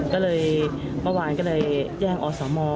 ก็เลยเมื่อวานก็เลยแจ้งอสม